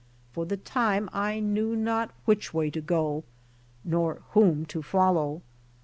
For the time I knew not which way to go, nor whom to follow.